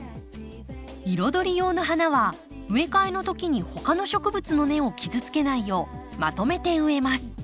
彩り用の花は植え替えのときにほかの植物の根を傷つけないようまとめて植えます。